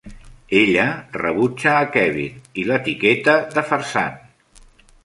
Ella rebutja a Kevin, i l'etiqueta de farsant.